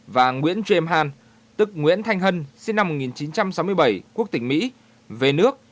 và nguyễn james han tức nguyễn thanh hân sinh năm một nghìn chín trăm sáu mươi bảy quốc tỉnh mỹ về nước